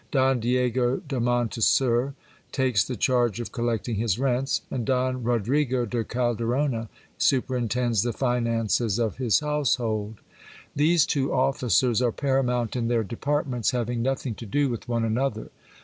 Don Diego de Monteser takes the charge of collecting his rents, and Don Rodrigo de Calderona superintends the finances of his household. These two officers are paramount in their departments, having nothing to do with one another.